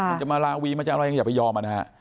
มันจะมาลาวีมันจะเอาอะไรอย่างนี้อย่าไปยอมอ่ะนะฮะ